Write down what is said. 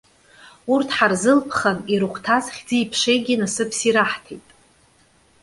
Урҭ ҳарзылԥхан, ирыхәҭаз хьӡи-ԥшеигьы насыԥс ираҳҭеит.